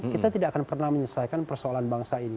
kita tidak akan pernah menyelesaikan persoalan bangsa ini